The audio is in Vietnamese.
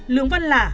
lương văn lả